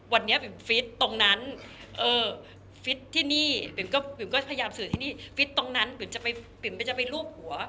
วันนี้ปิ๋มฟิตตรงนั้นเออฟิตที่นี่ปิ๋มก็พยายามสื่อที่นี่ฟิตตรงนั้นปิ๋มจะไปปิ๋มก็จะไปรูปหัว